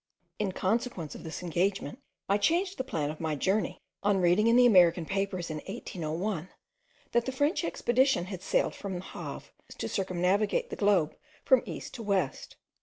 In consequence of this engagement, I changed the plan of my journey, on reading in the American papers, in 1801, that the French expedition had sailed from Havre, to circumnavigate the globe from east to west.